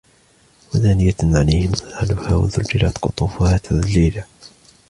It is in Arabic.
ودانية عليهم ظلالها وذللت قطوفها تذليلا